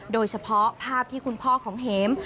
โดยเฉพาะภาพที่คุณพ่อของเห็ม